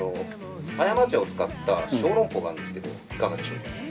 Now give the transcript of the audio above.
狭山茶を使った小籠包があるんですけどいかがでしょうか？